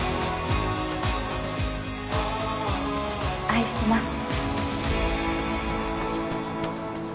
愛してます。